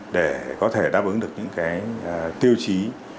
để có thể đáp ứng được những cái tiêu chí